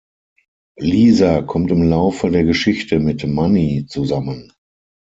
Lisa kommt im Laufe der Geschichte mit Manny zusammen.